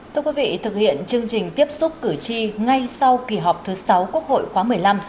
thưa quý vị thực hiện chương trình tiếp xúc cử tri ngay sau kỳ họp thứ sáu quốc hội khóa một mươi năm